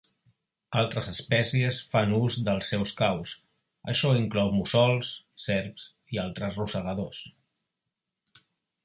Altres espècies fan ús dels seus caus, això inclou mussols, serps i altres rosegadors.